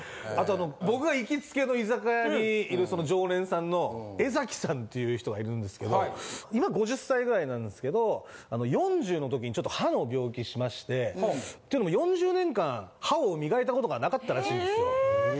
あと、僕が行きつけの居酒屋にいるその常連さんのエザキさんっていう人がいるんですけど、今５０歳ぐらいなんですけど、４０のときにちょっと歯の病気しまして、というのも４０年間、歯を磨いたことがなかったらしいんですよ。